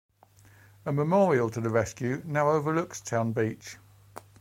A memorial to the rescue now overlooks Town Beach.